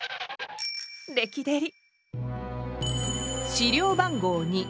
資料番号２。